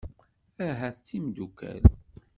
Ahat d timeddukal.